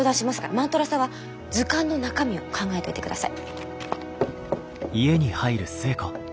万太郎さんは図鑑の中身を考えといてください。